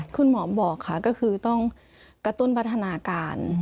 คุณหมอบอกค่ะก็คือต้องกระตุ้นพัฒนาการ